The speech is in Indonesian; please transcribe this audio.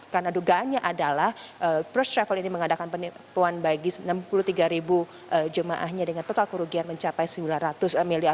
karena dugaannya adalah first travel ini mengadakan penipuan bagi enam puluh tiga ribu jemaahnya dengan total kerugian mencapai rp sembilan ratus miliar